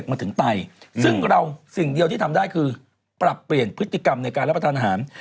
มาถึงไตซึ่งเราสิ่งเดียวที่ทำได้คือปรับเปลี่ยนพฤติกรรมในการรับประทานอาหาร